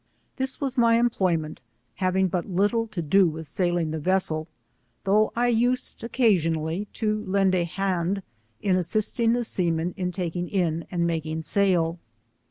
This was my employment, having but little to do with sailing the vessel, though I used occasionally to lend a hand in assisting the seamen in taking io and making sail.